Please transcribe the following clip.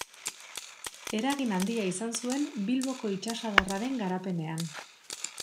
Eragin handia izan zuen Bilboko itsasadarraren garapenean.